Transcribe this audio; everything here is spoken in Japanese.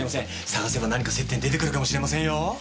探せば何か接点出てくるかもしれませんよ。